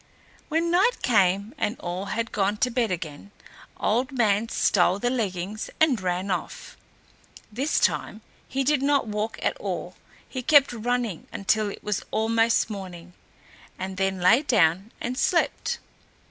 When night came and all had gone to bed, again Old Man stole the leggings and ran off. This time he did not walk at all. He kept running until it was almost morning, and then lay down and slept.